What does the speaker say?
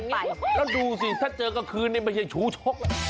แล้วดูสิถ้าเจอกลางคืนนี่ไม่ใช่ชูชก